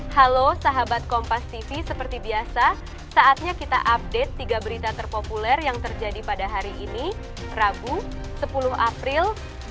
halo sahabat kompas tv seperti biasa saatnya kita update tiga berita terpopuler yang terjadi pada hari ini rabu sepuluh april dua ribu dua puluh